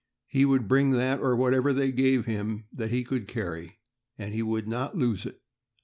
He would bring that, or whatever they gave him that he could carry, and he would not lose it.